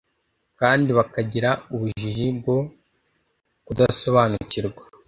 kandi bakagira ubujiji bwo kudasobanukirwa